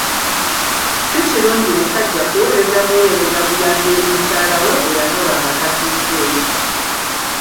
Si kirungi musajja kuweereza buweereza buyambi eri mukyala we eyanoba nga tatuuseeyo